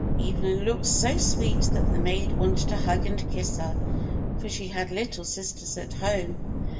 Evelyn looked so sweet that the maid wanted to hug and kiss her, for she had little sisters at home.